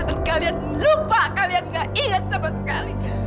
dan kalian lupa kalian gak ingat sama sekali